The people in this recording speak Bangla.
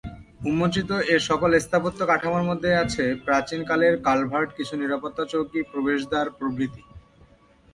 উন্মোচিত এ সকল স্থাপত্য কাঠামোর মধ্যে আছে প্রাচীন কালের কালভার্ট, কিছু নিরাপত্তা চৌকি, প্রবেশদ্বার প্রভৃতি।